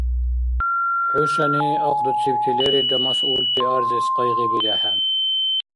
ХӀушани ахъдуцибти лерилра масъулти арзес къайгъибирехӀе.